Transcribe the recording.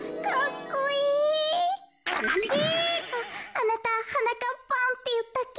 あなたはなかっぱんっていったっけ？